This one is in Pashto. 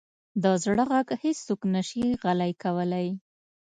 د زړه ږغ هیڅوک نه شي غلی کولی.